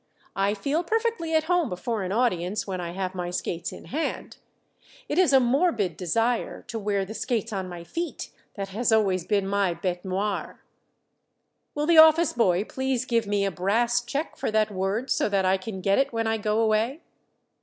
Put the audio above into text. I feel perfectly at home before an audience when I have my skates in hand. It is a morbid desire to wear the skates on my feet that has always been my bete noire. Will the office boy please give me a brass check for that word so that I can get it when I go away?